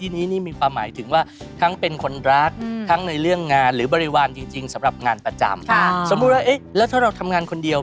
สมมุติว่าเอ๊ะแล้วถ้าเราทำงานคนเดียว